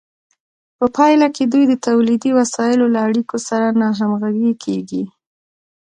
په پایله کې دوی د تولیدي وسایلو له اړیکو سره ناهمغږې کیږي.